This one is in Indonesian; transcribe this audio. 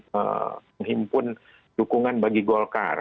menghimpun dukungan bagi golkar